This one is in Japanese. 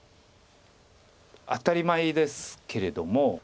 当たり前ですけれども。